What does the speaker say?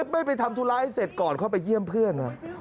ไม่ไปทำธุระให้เสร็จก่อนเข้าไปเยี่ยมเพื่อน